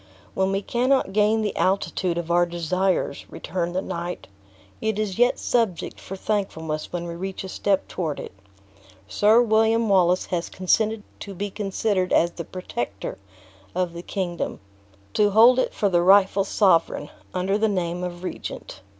"When we cannot gain the altitude of our desires," returned the knight, "it is yet subject for thankfulness when we reach a step toward it. Sir William Wallace has consented to be considered as the protector of the kingdom; to hold it for the rightful sovereign, under the name of regent."